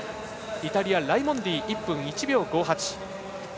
イタリア、ライモンディ１分１秒５８。